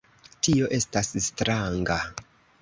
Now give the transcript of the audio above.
Tio estas stranga.